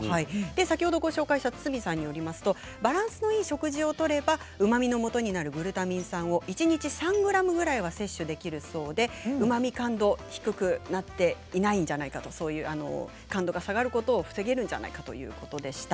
先ほどご紹介した堤さんによるとバランスのよい食事をとれば、うまみのもとになるグルタミン酸を一日３ｇくらいは摂取できるそうでうまみ感度、低くなっていないんじゃないかと感度が下がることを防げるんじゃないかということでした。